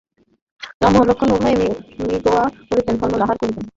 রাম ও লক্ষ্মণ উভয়ে মৃগয়া করিতেন ও ফলমূল আহার করিতেন।